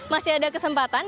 masih ada kesempatan